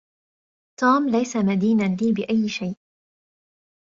توم ليس مدينا لي بأي شيء.